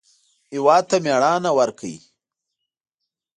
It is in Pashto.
هېواد ته مېړانه ورکړئ